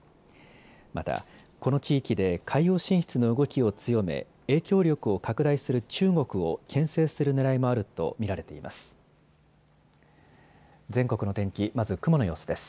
また、この地域で海洋進出の動きを強め影響力を拡大する中国をけん制するねらいもあると見られています。